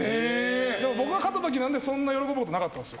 でも僕が勝った時なんてそんな喜ぶことなかったんですよ。